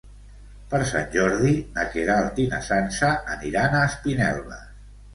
Per Sant Jordi na Queralt i na Sança aniran a Espinelves.